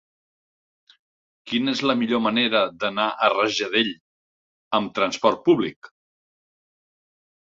Quina és la millor manera d'anar a Rajadell amb trasport públic?